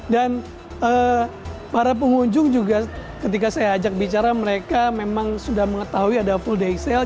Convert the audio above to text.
dan para pengunjung juga ketika saya ajak bicara mereka memang sudah mengetahui ada full day sale